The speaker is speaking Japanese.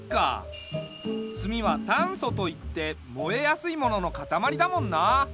炭は炭素といって燃えやすいもののかたまりだもんな。